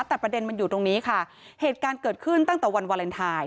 แต่ประเด็นมันอยู่ตรงนี้ค่ะเหตุการณ์เกิดขึ้นตั้งแต่วันวาเลนไทย